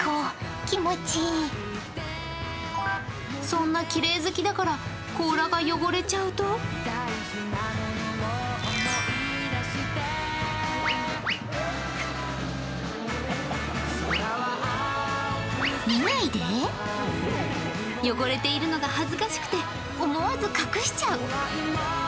そんなきれい好きだから、甲羅が汚れちゃうと汚れているのが恥ずかしくて、思わず隠しちゃう。